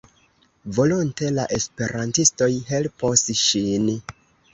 Volonte la esperantistoj helpos ŝin.